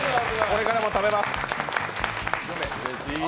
これからも食べます！